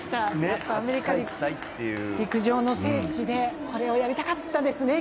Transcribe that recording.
やっぱりアメリカ、陸上の聖地でこれをやりたかったですね。